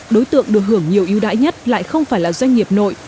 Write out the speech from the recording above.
đối tượng được hưởng nhiều yêu đáy nhất lại không phải là doanh nghiệp nội